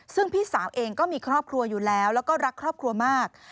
ซึ่งพี่สาวเองก็มีครอบครัวอยู่แล้วแล้วก็รักครอบครัวมาก